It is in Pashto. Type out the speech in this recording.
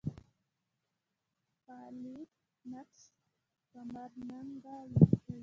فاعلیت نقش کمرنګه کوي.